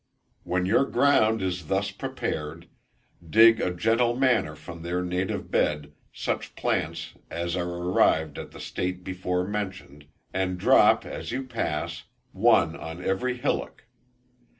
When your ground is thus prepared, dig in a gentle manner from their native bed, such plants as are arrived at the state before mentioned, and drop, as you pass, one on every hillock.